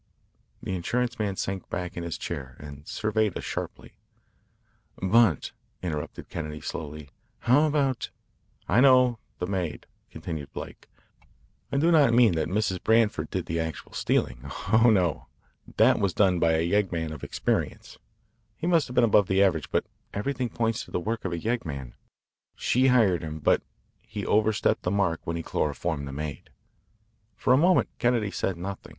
The insurance man sank back in his chair and surveyed us sharply. "But," interrupted Kennedy slowly, "how about " "I know the maid," continued Blake. "I do not mean that Mrs. Branford did the actual stealing. Oh, no. That was done by a yeggman of experience. He must have been above the average, but everything points to the work of a yeggman. She hired him. But he overstepped the mark when he chloroformed the maid." For a moment Kennedy said nothing.